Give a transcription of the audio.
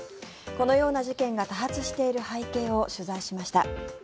このような事件が多発している背景を取材しました。